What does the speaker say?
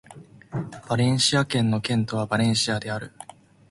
バレンシア県の県都はバレンシアである